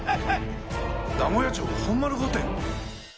「名古屋城本丸御殿」